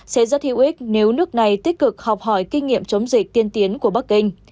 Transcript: sẽ rất hữu ích nếu nước này tích cực học hỏi kinh nghiệm chống dịch tiên tiến của bắc kinh